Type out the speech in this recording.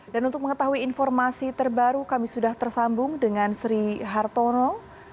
dan untuk mengetahui informasi terbaru kami sudah tersambung dengan sri hartono